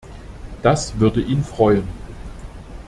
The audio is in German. Das würde ihn freuen.